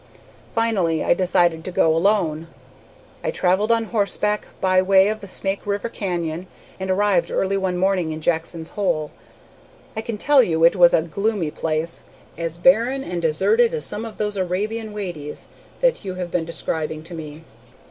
Finally I decided to go alone. I travelled on horseback by way of the Snake River canyon, and arrived early one morning in Jackson's Hole. I can tell you it was a gloomy place, as barren and deserted as some of those Arabian wadies that you have been describing to me.